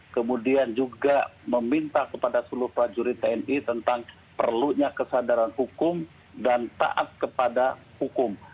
kemudian juga meminta kepada seluruh prajurit tni tentang perlunya kesadaran hukum dan taat kepada hukum